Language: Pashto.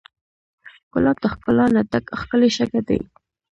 ګلاب د ښکلا نه ډک ښکلی شګه دی.